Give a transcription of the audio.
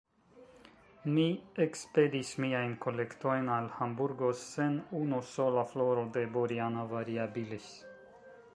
Mi ekspedis miajn kolektojn al Hamburgo, sen unu sola floro de Boriana variabilis.